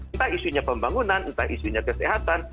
entah isunya pembangunan entah isunya kesehatan